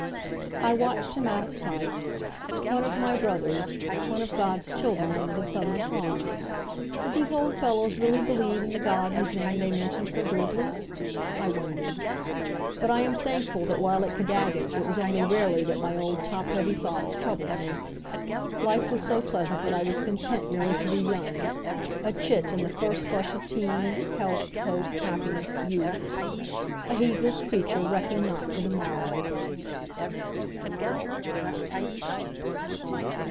I watched him out of sight. One of my brothers one of God's children under the Southern Cross. Did these old fellows really believe in the God whose name they mentioned so glibly? I wondered. But I am thankful that while at Caddagat it was only rarely that my old top heavy thoughts troubled me. Life was so pleasant that I was content merely to be young a chit in the first flush of teens, health, hope, happiness, youth a heedless creature recking not for the morrow.